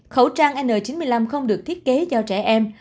khẩu trang n chín mươi năm không được thiết kế cho trẻ em